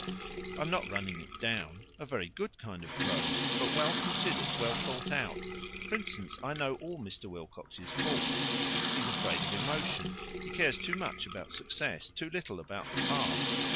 I'm not running it down a very good kind of prose, but well considered, well thought out. For instance, I know all Mr. Wilcox's faults. He's afraid of emotion. He cares too much about success, too little about the past.